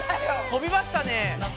飛びましたね。